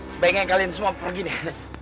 sebaiknya kalian semua pergi nih